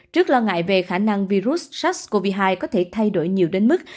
trước lo ngại về khả năng virus sars cov hai có thể thay đổi nhiều đến mức